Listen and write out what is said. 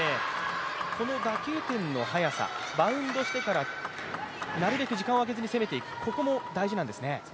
この打球点の速さ、バウンドしてから、なるべく時間をあけずに攻めていく、ここも大事なんですね